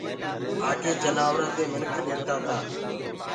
آگي جآنورآن دي منک ڏردآ تآ